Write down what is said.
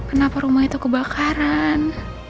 kenapa rumah itu kebakaran